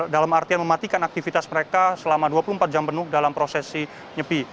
dalam artian mematikan aktivitas mereka selama dua puluh empat jam penuh dalam prosesi nyepi